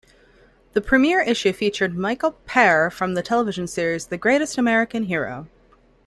The premier issue featured Michael Pare from the television series "The Greatest American Hero".